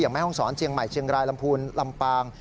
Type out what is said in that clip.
แม่ห้องศรเชียงใหม่เชียงรายลำพูนลำปาง